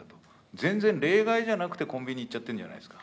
全然例外じゃなくて、コンビニ行っちゃってるんじゃないですか。